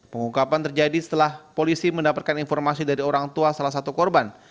pengungkapan terjadi setelah polisi mendapatkan informasi dari orang tua salah satu korban